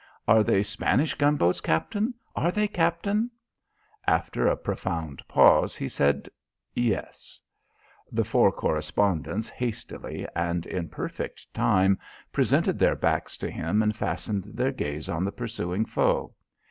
"Are they Spanish gunboats, Captain? Are they, Captain?" After a profound pause, he said: "Yes." The four correspondents hastily and in perfect time presented their backs to him and fastened their gaze on the pursuing foe.